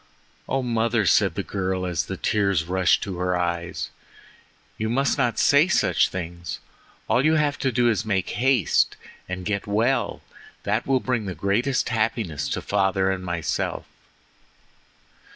"Oh, mother," said the girl as the tears rushed to her eyes, "you must not say such things. All you have to do is to make haste and get well—that will bring the greatest happiness to father and myself."